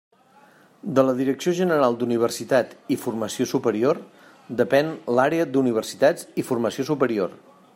De la Direcció General d'Universitat i Formació Superior depén l'Àrea d'Universitats i Formació Superior.